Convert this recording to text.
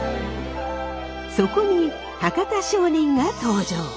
そこに博多商人が登場。